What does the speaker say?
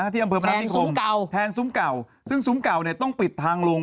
ที่อำเภอพนัฐนิคมแทนซุ้มเก่าซึ่งซุ้มเก่าเนี่ยต้องปิดทางลง